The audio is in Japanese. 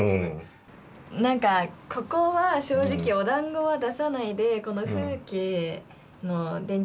何かここは正直おだんごは出さないでこの風景の電柱なくしたよとか。